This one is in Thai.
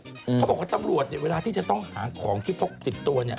เขาบอกว่าตำรวจเนี่ยเวลาที่จะต้องหาของที่พกติดตัวเนี่ย